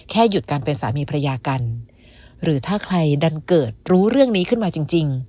หยุดการเป็นสามีภรรยากันหรือถ้าใครดันเกิดรู้เรื่องนี้ขึ้นมาจริง